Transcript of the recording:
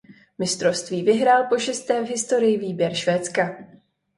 Mistrovství vyhrál pošesté v historii výběr Švédska.